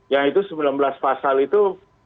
yaitu sembilan belas pasal itu